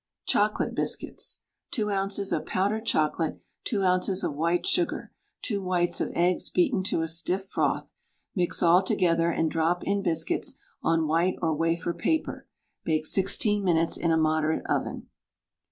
CHOCOLATE BISCUITS. 2 oz. of powdered chocolate, 2 oz. of white sugar, 2 whites of eggs beaten to a stiff froth. Mix all together, and drop in biscuits on white or wafer paper. Bake 16 minutes in a moderate oven.